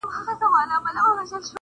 زموږ پر تندي به وي تیارې لیکلي٫